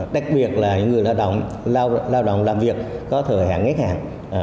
đặc biệt là những người lao động lao động làm việc có thời hạn nghếch hạn